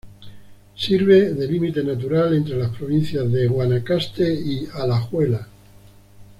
Sirve de límite natural entre las provincias de Guanacaste y Alajuela.